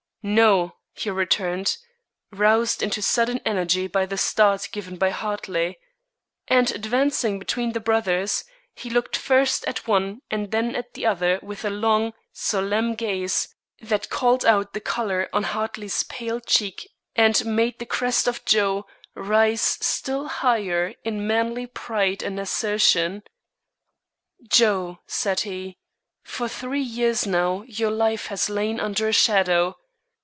"No," he returned, roused into sudden energy by the start given by Hartley. And advancing between the brothers, he looked first at one and then at the other with a long, solemn gaze that called out the color on Hartley's pale cheek and made the crest of Joe rise still higher in manly pride and assertion. "Joe," said he, "for three years now your life has lain under a shadow.